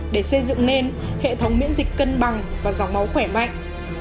để xây dựng nên hệ thống miễn dịch cân bằng và dòng máu khỏe mạnh